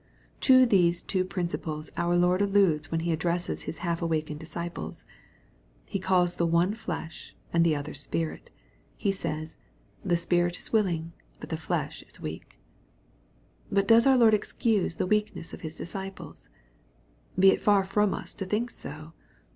To these two principles our Lord alludes when He addresses His balf awakened disciples. He calls the one flesh and the other spirit. He says, " the spirit is willing, but the flesh is weak." pint does our Lord excuse this weakness of His dis ciples ?^ Be it far from us to think so.